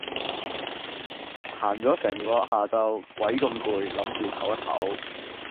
行咗成個下晝鬼咁攰諗住抖一抖